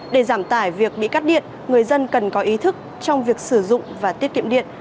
để giảm tải việc bị cắt điện người dân cần có ý thức trong việc sử dụng và tiết kiệm điện